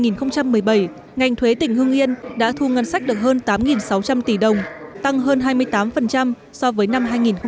năm hai nghìn một mươi bảy ngành thuế tỉnh hưng yên đã thu ngân sách được hơn tám sáu trăm linh tỷ đồng tăng hơn hai mươi tám so với năm hai nghìn một mươi bảy